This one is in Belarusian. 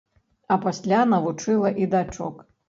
А пасля навучыла і дачок.